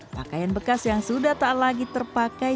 pakaian bekas yang sudah tak lagi terpakai